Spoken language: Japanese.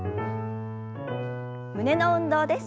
胸の運動です。